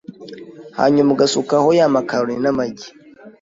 hanyuma ugasukaho ya makaroni n’amagi